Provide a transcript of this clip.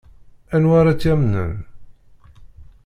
Anwa ara tt-yamnen?